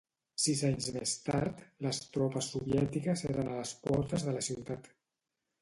Sis anys més tard, les tropes soviètiques eren a les portes de la ciutat.